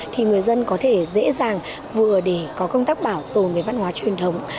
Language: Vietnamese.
thì người dân có thể dễ dàng vừa để có công tác bảo tồn về văn hóa truyền thống